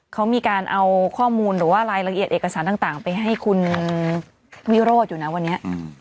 เขามีการเอาข้อมูลหรือว่ารายละเอียดเอกสารต่างไปให้คุณวิโรธอยู่นะวันนี้